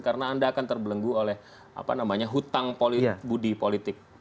karena anda akan terbelenggu oleh hutang budi politik